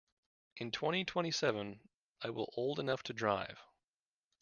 In twenty-twenty-seven I will old enough to drive.